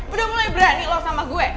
udah mulai berani loh sama gue